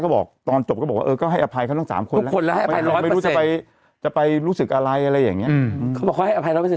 เขาบอกว่าให้อภัยเราไปเสร็จ